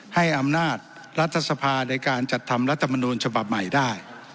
ให้อำนาจรัฐสภาในการจัดทำรัฐมนูลฉบับใหม่ได้